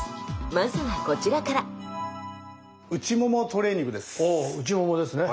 まずはこちらからああ内ももですね。